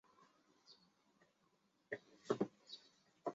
比亚托瓦亚是位于美国亚利桑那州皮马县的一个非建制地区。